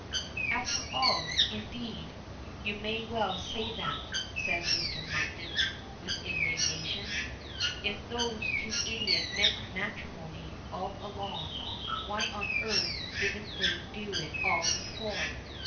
"After all, indeed; you may well say that," says Mr. Monkton, with indignation. "If those two idiots meant matrimony all along, why on earth didn't they do it all before.